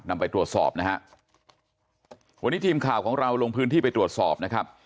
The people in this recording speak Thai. นำไปตรวจสอบนะฮะวันนี้ทีมข่าวของเราลงพื้นที่ไปตรวจสอบนะครับ